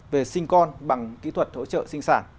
về sinh con bằng kỹ thuật hỗ trợ sinh sản